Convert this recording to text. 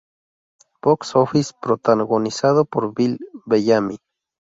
Box Office", protagonizado por Bill Bellamy.